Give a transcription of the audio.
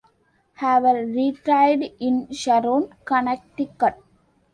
Haver retired in Sharon, Connecticut.